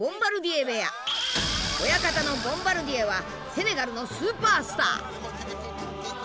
親方のボンバルディエはセネガルのスーパースター。